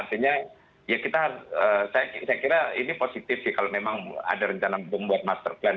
artinya ya kita saya kira ini positif sih kalau memang ada rencana untuk membuat master plan